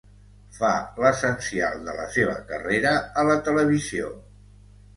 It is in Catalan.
Fa l'essencial de la seva carrera a la televisió.